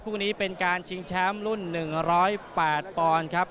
คู่นี้เป็นการชิงแชมป์รุ่น๑๐๘ปอนด์ครับ